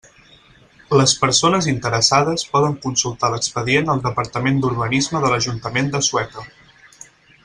Les persones interessades poden consultar l'expedient al Departament d'Urbanisme de l'Ajuntament de Sueca.